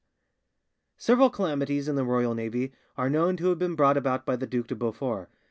Several calamities in the royal navy are known to have been brought about by the Duc de Beaufort.